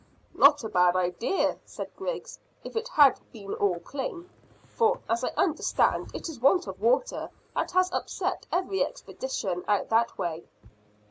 "Not a bad idea," said Griggs, "if it had been all plain, for, as I understand, it's want of water that has upset every expedition out that way."